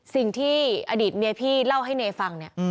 สิ่งที่อดีตเมียพี่เล่าให้เนฟังเนี่ย